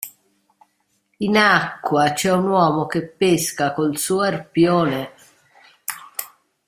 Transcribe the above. In acqua c'è un uomo che pesca col suo arpione.